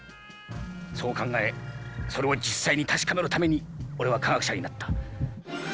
そう考えそれを実際に確かめるために俺は科学者になった。